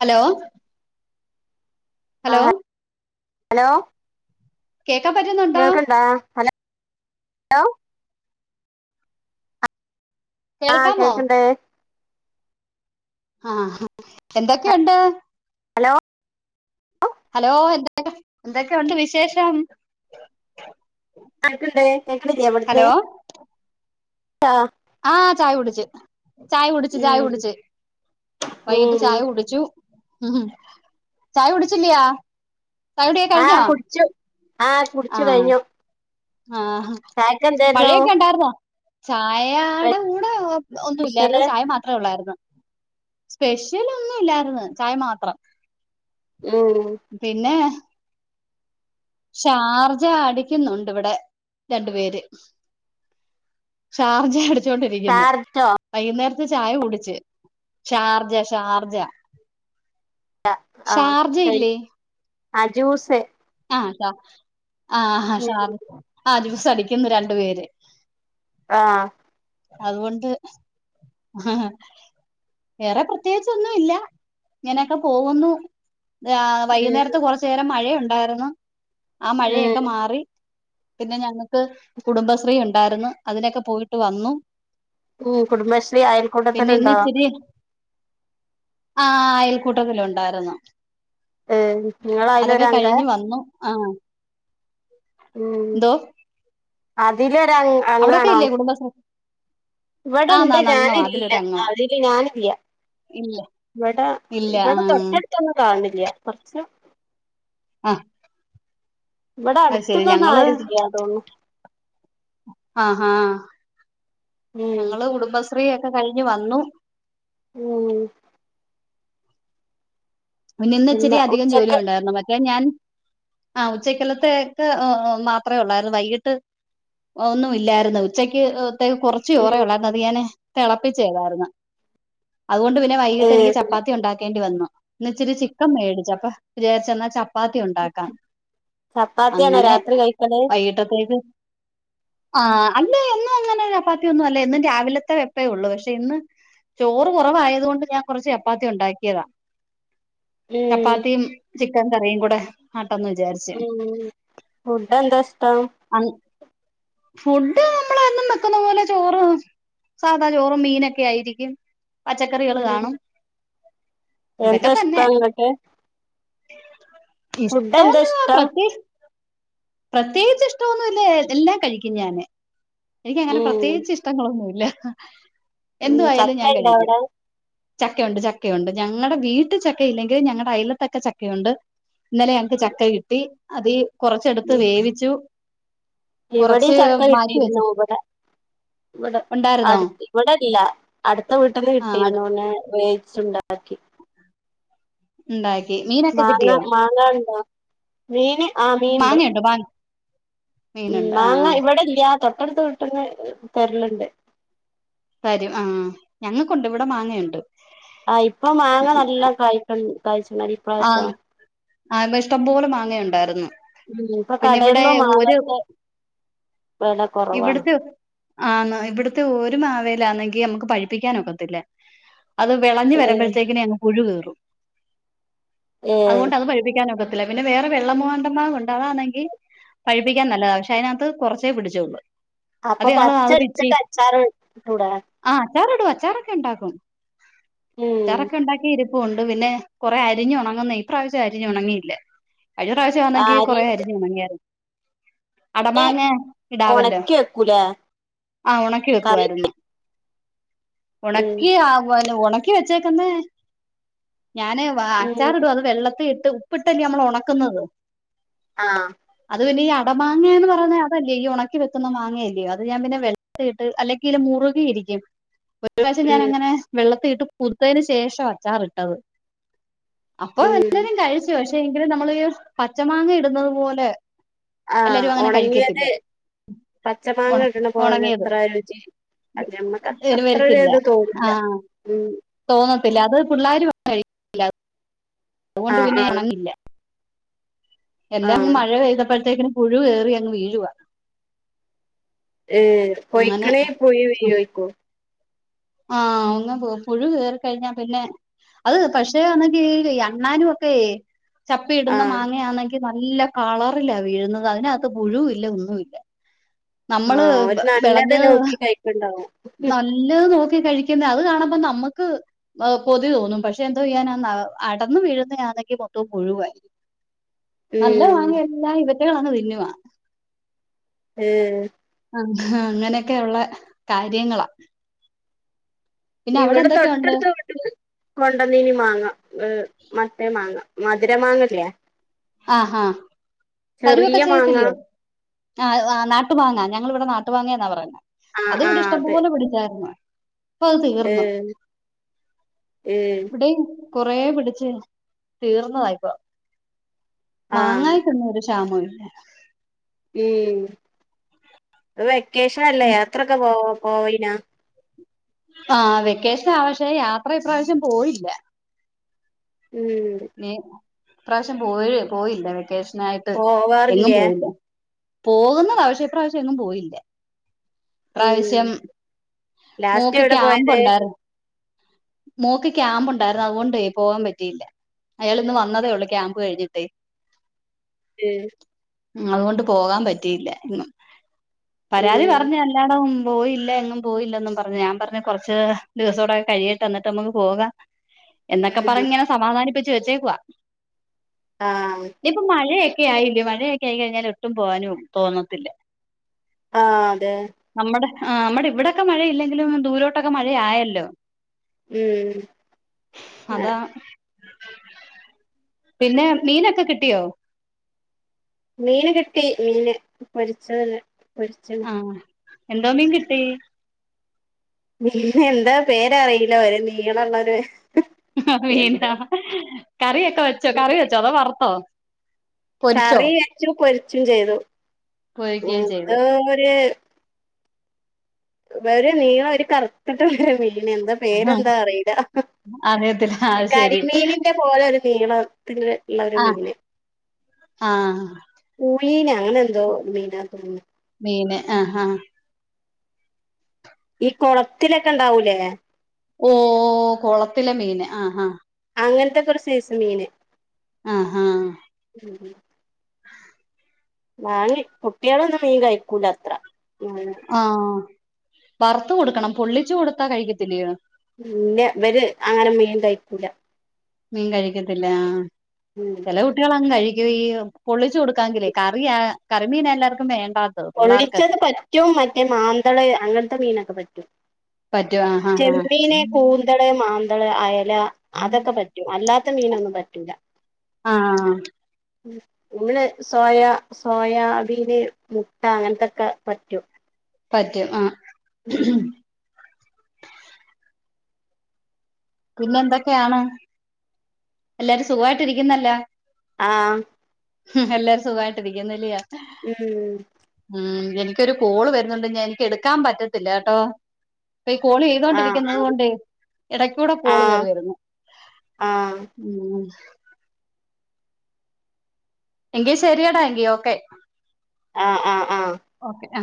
Hello ആ hello hello കേക്കാൻ പറ്റുന്നുണ്ടോ കേൾക്കണ്ടാ ഹലോ അല ആഹ് കേൾക്കാമോ കേക്ക്ണ്ട് ആഹ് എന്തൊക്കെയുണ്ട് ഹലോ ഹലോ എന്ത എന്തൊക്കെയ ഉണ്ട് വിശേഷം ആഹ് കേക്കണണ്ട് കേക്ക്ണ്ല്ലേ ഇവ്ട്ന്ന് ഹലോ ആ ആഹ് ചായ കുടിച്ചു ചായ കുടിച്ചു ചായ ഉം കുടിച്ച് വൈകിട്ട് ഉം ചായ കുടിച്ചു ചായ കുടിച്ചില്യാ ചായ കുടിയോകെ കഴിഞ്ഞോ ആഹ് കുടിച്ചു കഴിഞ്ഞു ആഹ് ചായക്ക് എന്തായിരുന്നു മഴയൊക്കെ ഉണ്ടായിരുന്നോ ചായ ടെ കൂടെ ഓ സ്പെഷ്യല് ഒന്നുഇല്ലായിരുന്നു ചായ മാത്രമേ ഉള്ളായിരുന്നു സ്പെഷ്യൽ ഒന്നും ഇല്ലായിരുന്നു ചായ മാത്രം ഉം പിന്നെ ഷാർജ അടിക്കുന്നുണ്ട് ഇവിടെ രണ്ടു പേര് ഷാർജ അടിച്ചൊണ്ടിരിക്കുന്നു ചാർജോ വൈകുന്നേരത്തെ ചായ കുടിച്ച് ഷാർജ ഷാർജ ഷാർജ ഇല്ലേ ആഹ് ജ്യൂസ് ആഹ് ദാ ആഹ് ആഹ് ഉം ഷാർ ആഹ് ജ്യൂസ അടിക്കുന്നു രണ്ടു പേര് ആഹ് അതുകൊണ്ട് വേറെ പ്രത്യേകിച്ച ഒന്നും ഇല്ല ഇങ്ങനൊക്കെ പോകുന്നു ആഹ് ഉം വൈകുന്നേരത്ത് കുറച്ചേരം മഴയുണ്ടായിരുന്നു ആഹ് ഉം മഴയൊക്കെ മാറി - പിന്നെ ഞങ്ങക്ക് കുടുംബശ്രീ ഉണ്ടായിരുന്നു അതിനൊക്കെ പോയിട്ട് വന്നു ഉം കുടുംബശ്രീ പിന്നെ ഇന്ന് അയൽക്കൂട്ടത്തിലുണ്ടോ ഇച്ചിരി ആഹ് അയൽക്കൂട്ടത്തിലു ഉണ്ടായിരുന്ന ഏ നിങ്ങള് അതൊക്കെ അയിലൊരങ്ക കഴിഞ്ഞ് വന്നു ആഹ് ഉം എന്തോ അതിലൊരണ്ണം അവിടെക്കെയില്ലേ കുടുംബശ്രീ ഇവിടെണ്ട് ആന്നാന്ന് അംഗവാ ഞാനില്ല അതിലൊരു അംഗവാ അതില് ഞാനില്ല ഇല്ല ഇവിടെ ഇല്ല ഇവിടെ ആഹ് തൊട്ടടുത്തൊന്നും കാണണില്ല കുറച്ച് ആഹ് ഇവിടെ അത് ശരി അടുത്തുന്നൊന്നും ഞങ്ങള് ആരുല്ല തോന്നണു ആഹ് ആഹ് ഉം ഞങ്ങള് കുടുംബശ്രീ ഒക്കെ കഴിഞ്ഞ് വന്നു ഉം പിന്നെ ഇന്ന് ഇച്ചിരി അധികം ജോലി ഉണ്ടായിരുന്നു മറ്റേ ഞാൻ ആഹ് ഉച്ചക്കലത്തേക് മാത്രേ ഉള്ളായിരുന്നു വൈകിട്ട് ഒന്നും ഇല്ലായിരുന്നു ഉച്ചയ്ക്ക് തെക്ക് കുറ- ച്ച് ഉം ചോറൊള്ളായിരുന്നു അത് ഞാന് തിളപ്പിച്ചേതായിരുന്നു അതുകൊണ്ട് പിന്നെ ഏ വൈകിട്ട് എനിക്ക് ചപ്പാത്തി ഉണ്ടാക്കേണ്ടി വന്നു ഇന്ന് ഇച്ചിരി ചിക്കൻ മേടിച്ചു അപ്പ വിജാരിച്ചന്ന ചപ്പാ - പ്പാത്തി ഉണ്ടാക്കാം ചപ്പാത്തിയാണോ അങ്ങനെ രാത്രി കഴിക്കല് വൈകിട്ടത്തേക്ക് ആഹ് അല്ല എന്നും അങ്ങനെ ചപ്പാത്തിയ ഒന്നും അല്ല എന്നും രാവിലത്തെ വെപ്പേ ഉള്ളൂ പക്ഷെ ഇന്ന് ചോറ് കുറവായത് കൊണ്ട് ഞാൻ കുറച്ച് ചപ്പാത്തി ഉണ്ടാക്കിയതാ ഉം ചപ്പാത്തീം ചിക്കൻ കറിയും കൂടെ ആട്ടൊന്ന് വിചാര്ജ് ഉം ഉം ഫുഡ്ഡെന്താഷ്ടം? അങ് ഫുഡ്ഡ് നമ്മള് എന്നും വെക്കുന്ന പോലെ ചോറ്. സാദാ ചോറും മീനൊക്കെയായിരിക്കും. പച്ചക്കറികള് ഉം കാണും. എന്താ ഇതൊക്കെതന്നെ ഇഷ്ടം ഇങ്ങക്ക് ഫുഡ് എന്താ ഇഷ്ടൊന്നു അ ഇഷ്ടം പ്രത്യേച് പ്രത്യേകിച്ച് ഇഷ്ട്ടംഒന്നും ഇല്ലെ. എല്ലാം കഴിക്കും ഞാന്. എനിക്കങ്ങനെ ഉം പ്രത്യേകിച്ച് ഇഷ്ടങ്ങളൊന്നുല്ല ഉം എന്ത്‌വായാലും ചക്ക ഞാൻ ഇണ്ടോ കഴിക്കും അവിടെ ചക്കയൊണ്ട് ചക്കയൊണ്ട് ഞങ് ങ്ങടെ വീട്ടി ചക്കഇല്ലെങ്കിലും ഞങ്ങടെ അയലത്തൊക്കെ ചക്കയൊണ്ട് ന്നലെ ഞങ്ങക്ക് ചക്ക കിട്ടി അതീ കൊറച്ചെട്ത്ത് വേവിച്ചു. ഇവടെം കുറച്ച് ചക്ക മാറ്റി കിട്ടിരുന്നു വെച്ചു അവ്ടെ വ്ടെ ഉണ്ടായിരുന്നോ അട് ഇവ്ടെല്ല അട്ത്ത വീട്ട്ന്ന് ആ കിട്ടിരുന്നു നെ വെയിച്ചുണ്ട അക്കി ണ്ടാക്കി മീനൊ മാങ്ങ മാങ്ങണ്ടൊ മീന് ആഹ് മീൻണ്ട്. മാങ്ങയുണ്ടോ മാങ്ങ ഉം മീനുണ്ട് ആ മാങ്ങ ഇവ്ടെല്ല്യ തൊട്ടടുത്തവീട്ട്ന്ന് തെരല്ണ്ട്. തരും ആഹ് ഞങ്ങക്കൊണ്ട് വ്ട മാങ്ങയൊണ്ട്. ആഹ് ഇപ്പൊ മാങ്ങ നല്ലൺ കായ്കൺ കായ്ച്ണലി ആന് ആയ്‌ മഷ്ടം പോലെ മാങ്ങയൊണ്ടാരുന്നു. ഉം ഇപ്പൊ പിന്നെവിടെ കടകളിലും ഒര് മാങ്ങക്ക് വെല കൊറവാണ് ഇവ്ട്ത്തെ ആന്ന് ഇവ്ടത്തെ ഒരു മാവേലാന്നെങ്കി നമ്മക്ക് പഴിപ്പിക്കാനൊക്കത്തില്ല. അത് വെളഞ്ഞ് ഏഹ് വര്മ്പഴത്തേക്കിനെ അങ്ങ് പുഴുകേറും. ഏഹ് അതുകൊണ്ട് അത് പഴിപ്പിക്കാൻ ഒക്കത്തില്ല പിന്നെ വേറെ വെള്ളമൂവാണ്ടൻ മാവൊ ണ്ട് അതാണെങ്കി പഴ്പ്പിക്കാൻ നല്ലതാ പക്ഷേ അയിനാത്ത് കൊറച്ചേ പിടിച്ചേള്ളൂ. അപ്പ പച്ചെടുത്തിട്ടച്ചാറ് ട്ടൂടെ? ആഹ് അച്ചാറിടു അച്ചാറൊക്കെ ണ്ടാക്കും ഉം അച്ചാറൊക്കെണ്ടാക്കിരിപ്പുണ്ട് പിന്നെ കൊറെ അ രിഞ്ഞൊണങ്ങുന്നേ ഇപ്രാവ്ശ്യം അരിഞ്ഞുണങ്ങീല്ല കഴിഞ്ഞ പ്രാവശ്യാണെങ്കി കൊറെ അരിഞ്ഞ് അരിഞ്ഞൊണങ്ങിയാരുന്നു അടമാങ്ങെ ഇടാവല്ലോ ഒണക്കി വെക്കൂലേ ആഹ് ഒണക്കി കറി വെക്കുവാരുന്നു. ഉം ഒണക്കി ആവാലോ ഒണക്കി വെച്ചേക്കുന്നെ ഞാന് വാ ഉം ച്ചാറിടും അത് വെള്ളത്തിയിട്ട് ഉപ്പിട്ടല്ലേ നമ്മള് ഒണക്കുന്നത്. ആഹ് അത് പിന്നെ ഈ അടമാങ്ങയന്ന് പറയ്ന്ന അതല്ലേ ഈ ഒണക്കി വെക്ക്‌ന്ന മാങ്ങയല്ല്യോ അത് ഞാമ്പിന്നെ വെ ത്തിയിട്ട് അല്ലെങ്കില് മുറുകിയിരിക്കും. [unintelligible] ഒര്പ്രാശം ഉം ഞാനങ്ങനെ വെള്ളത്തിയിട്ട് കുതിത്തേന് ശേഷവാ അച്ചാറിട്ടത് അപ്പ ഉം എല്ലരും കഴിച്ചു പഷേ എങ്കിലും നമ്മള് ഈ പച്ചമാങ്ങ ഇടുന്നത്പോലെ ആഹ് ഒണങ്ങ്യത്. ഉണ പച്ചമാങ്ങ ഇട്ണപോലെ ഉണങ്ങിയത് ത്രരുചി അത് ഞമ്മക്ക അത്രൊ വരത്തില്ല ഒര്ത് ആ തോന്നൂല ഉം തോന്നത്തില്ല അത് പിള്ളാര് വ ഓ ണ്ട് ആഹ് പിന്നെ ആഹ് ഒണങ്ങില്ല. ആഹ് എല്ലാംങ്ങ് മഴ പെയ്തപ്പഴത്തേക്ക് ന് പുഴു ഏറിയങ്ങ് വീഴുവാ. ഏഹ് അങ്ങനെ പൊയ്ക്കണേ പുയു യോ യ്കു ആഹ് അങ്ങ് പോം പുഴു കേറി ക്കഴിഞ്ഞാ പിന്നെ അഅ് പക്ഷേ അന്നെങ്കി ഈ അണ്ണാനുംഒക്കെയെ ചപ്പിയിട്ന്ന ആഹ് മാങ്ങയാന്നെങ്കി നല്ല കളറിലാ വീഴുന്നത്. അതിനാത്ത് പുഴുവില്ല ഒന്നുവില്ല. നമ്മള് ആഹ് ബ ഓര് നല്ലത് വെളഞ്ഞത് നോക്കി [unintelligible] കഴിക്ക്ണ്ടാവും നല്ല നോ ക്കി കഴിക്ക്ന്നെ ‌ അഅ് കാണുമ്പ നമ്മക്ക് [unintelligible] കൊതിതോന്നും പഷേ എന്തോചെയ്യാനാന്നാ ന അടന്നു വീഴുന്നെയാന്നെങ്കി മൊത്തം പുഴുവായ് നല്ല ഉം മാങ്ങയെല്ലാം ഇവറ്റകളങ്ങ് തിന്നുവാ ഏഹ് ആഹ് അങ്ങനെയൊക്കെയൊള്ള കാര്യങ്ങളാ. പിന്നെ അവിടെ ഇവിടെ എന്തൊക്കെയുണ്ട് തൊട്ടട്ത്ത് വീ [unintelligible] കൊണ്ടന്നീനി മാങ്ങ എ മറ്റേ മാങ്ങ മധുര മാങ്ങല്ലേ ആഹ് ആഹ് തരുവൊക്കെ ചെറിയ മാങ്ങ ചെയ്യത്തില്ലേ ആഹ് ആഹ് നാട്ട് മാങ്ങ ഞങ്ങളിവ്ടെ നാട്ട്മാങ്ങേന്നാ പറയ്ന്നെ ആഹ് അത് ഇവിടെ ആഹ് ഇഷ്ടംപോലെ പിടിച്ചാര്ന്നു ഇപ്പൊ അത് തീർന്ന് ഏഹ് ഏഹ് വടെം കൊറേ പിടിച്ച് തീർന്നതായിപ്പോ ആഹ് മാങ്ങാക്കൊന്നൊരു ക്ഷാമോ ഇല്ല ഉം വെക്കേഷനല്ലേ ത്രൊക്കെ പോ പോയീനാ? ആഹ് വെക്കേഷനാ പക്ഷേ യാത്ര ഇപ്രാവശ്യം പോയില്ല ഉം ഇനി ഇപ്പ്രാവശ്യം പോഴി പോയില്ല വെക്കേഷനായിട്ട് എങ്ങും പോവാറില്ലേ പോയില്ല പോകുന്നതാ പക്ഷെ ഇപ്പ്രാവശ്യം എങ്ങും പോയില്ല ഉം ഇപ്പ്രാവശ്യം ലാസ്റ്റ് മോക്ക് എവിടെ ക്യാമ്പ് പോയത് ഒണ്ടാര്ന്ന് മോക്ക് ക്യാമ്പ്ണ്ടാര്ന്നു അത്കൊണ്ടെ പോവാൻ പറ്റിയില്ല അയാള്ന്ന് വന്നതേ ഒള്ളു ക്യാമ്പ് കഴിഞ്ഞിട്ടേ എഹ് ങ്ങളെകൊണ്ട് പോകാൻ പറ്റിയില്ല ഉം പരാതി ഉം പറഞ്ഞ എല്ലാടൊം പോയില്ല എങ്ങും പോയില്ലെന്നും പറഞ്ഞ് ഞാൻ പറഞ്ഞ് കൊറച്ച് ദിവസവ്‌ടെ കഴിയട്ടെ ന്നിട്ട് നമ്മക്ക് പോക എന്നൊക്കെ ഉം പറഞ്ഞ്ങ്ങനെ സമാധാനിപ്പിച്ച് വെച്ചേക്കുവാ ആഹ് ഇനിയിപ്പൊ മഴയൊക്കെ ആയില്ലെ മഴയൊക്കെ ആയി കഴിഞ്ഞാൽ ഒട്ടും പോകാനും തോന്നത്തില്ല ആഹ് അതെ നമ്മുടെ ആഹ് നമ്മുടെ ഇവിടൊക്കെ മഴയില്ലെങ്കിലും ദൂരോട്ടൊക്കെ മഴ ആയല്ലോ മ് അതാ പിന്നെ മീനൊക്കെ കിട്ടിയോ? മീന് കിട്ടി മീന് പൊരിച്ചത് പൊരിച്ചത് ആഹ് എന്താ മീൻ കിട്ടി മീനെന്താ പേരറീല ഒര് നീളള്ളൊര് അറീല കറിയൊക്കെ വെച്ചോ കറി വെച്ചോ അതോ വറ്ത്തോ? കറി വെച്ചു പൊരിച്ചു ചെയ്തു പൊരിക്കുകയും ചെയ്ത് [unintelligible] ഒര് നീളം ഒര് കറുത്ത്ട്ടൊരു മീന് എന്താ ആ പേരെന്താ അറീല അറിയത്തില്ല ആ ശരി കരിമീനിന്റെ പോലൊരു നീളത്തില്ള്ള ഒര് മീന് ആഹ് പായിന അങ്ങനെന്തോ മീനാ തോന്ന്ണ് മീന് ആഹ് അഹ് ഈ കൊളത്തിലൊക്കെണ്ടാവൂലേ ഓ കൊളത്തിലെ മീന് ആഹ് ഹാ അങ്ങനത്തെക്കൊര് സൈസ് മീന് അഹ് ആഹ് വാങ്ങി കുട്ടികളൊന്നും മീൻ കഴിക്കൂലത്ര ആഹ് വറ്ത്ത് കൊട്ക്കണം പൊള്ളിച്ച് കൊട്ത്താ കഴിക്കത്തില്ലെയോ ഇല്ല ഇവര് അങ്ങനെ മീൻ കയിക്കൂല മീൻ കഴിക്കത്തില്ല ആഹ് മ് ചെല കുട്ടികളങ്ങ് കഴിക്കുകയോ പൊള്ളിച്ചു കൊടുക്കാങ്കില്ലേ കറിയ കറിമീൻ എല്ലാർക്കും വേണ്ടാ പൊള്ളിച്ചത് പറ്റും മറ്റേ മാന്തള് അങ്ങൻത്തെ മീനൊക്കെ പറ്റും പറ്റും ആ ആ ചെമ്മീന് കൂന്തള് മാ ന്തള് അയല അതൊക്കെ പറ്റും അല്ലാത്ത മീനൊന്നും പറ്റൂല്ല ആഹ് ന്നു സോയാ സോയാബീന് മു ട്ട അങ്ങനത്തൊക്കെ പറ്റും പറ്റും ആ [inaudible] പിന്നെന്തൊക്കെയാണ്? എല്ലാരും സുഖയിട്ട് ഇരിക്കുന്നല്ലോ? ആഹ് എല്ലാരും സുഖായിട്ടി രിക്കുന്നില്ലയാ ഉം ഉം എനിക്കൊരു കോള് വരുന്നുണ്ട് ഞാൻ എനിക്ക് എടുക്കാൻ പറ്റത്തില്ല കേട്ടോ ഇപ്പൊ ഈ കോള് ആഹ് ചെയ്തോണ്ടിരിക്കുന്നത് കൊണ്ട് ഇടയ്ക്കൂടെ കോള് കയറി വരുന്നു ആഹ ഉം എങ്കി ശരിയടാ എങ്കി യോക്കെ ആഹ് ആഹ് ആഹ് ഓക്കെ ആ